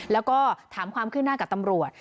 แล้วก็ถามความคืบหน้ากับตำรวจ